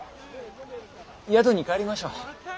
宿に帰りましょう。